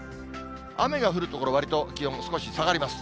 雨が降る所、わりと気温少し下がります。